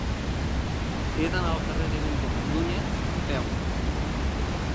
He d'anar al carrer de Méndez Núñez a peu.